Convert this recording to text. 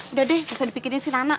udah deh bisa dipikirin si nama